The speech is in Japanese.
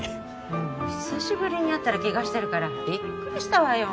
もう久しぶりに会ったらケガしてるからびっくりしたわよぉ。